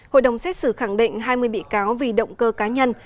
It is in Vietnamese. hội đồng xét xử khẳng định hai mươi bị cáo vì động cơ cá nhân